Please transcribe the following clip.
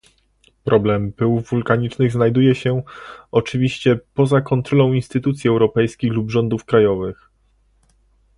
Problem pyłów wulkanicznych znajduje się, oczywiście, poza kontrolą instytucji europejskich lub rządów krajowych